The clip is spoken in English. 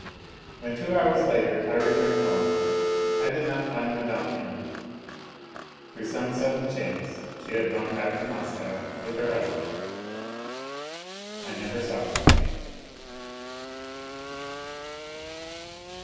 When two hours later I returned home I did not find Mme. M. Through some sudden chance she had gone back to Moscow with her husband. I never saw her again.